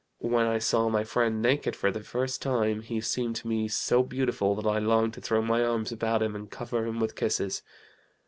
When I saw my friend naked for the first time he seemed to me so beautiful that I longed to throw my arms about him and cover him with kisses.